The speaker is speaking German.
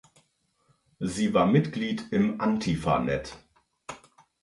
Sie war Mitglied im “Antifa-Net.